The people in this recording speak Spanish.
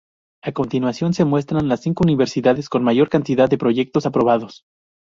A continuación se muestran las cinco Universidades con la mayor cantidad de proyectos aprobados.